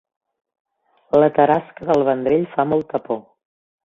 La tarasca del Vendrell fa molta por